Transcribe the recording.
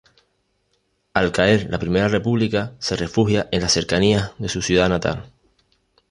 Al caer la Primera República se refugia en las cercanías de su ciudad natal.